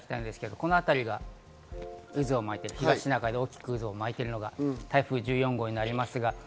このあたりが渦を巻いている、東シナ海で大きく渦を巻いているのが台風１４号です。